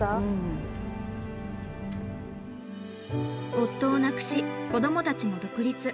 夫を亡くし子どもたちも独立。